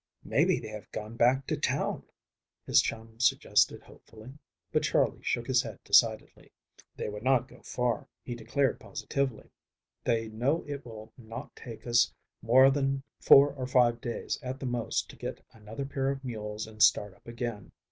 "Maybe they have gone back to town," his chum suggested hopefully, but Charley shook his head decidedly. "They would not go far," he declared positively. "They know it will not take us more than four or five days at the most to get another pair of mules and start up again.